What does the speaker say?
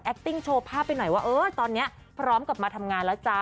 ติ้งโชว์ภาพไปหน่อยว่าเออตอนนี้พร้อมกลับมาทำงานแล้วจ๊ะ